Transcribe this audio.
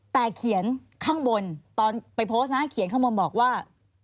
แต่เขียนข้างบนตอนไปโพสต์นะเขียนข้างบนบอกว่า